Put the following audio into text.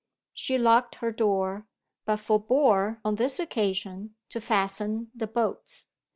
She locked her door, but forbore, on this occasion, to fasten the bolts.